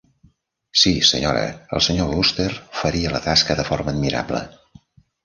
Sí, senyora, el senyor Wooster faria la tasca de forma admirable.